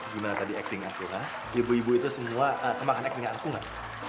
gimana tadi acting aku ha ibu ibu itu semua kemahkan acting aku nggak